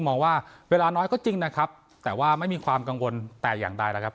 มองว่าเวลาน้อยก็จริงนะครับแต่ว่าไม่มีความกังวลแต่อย่างใดแล้วครับ